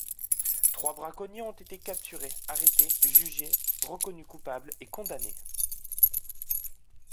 Trois braconniers ont été capturés, arrêtés, jugés, reconnus coupables et condamnés.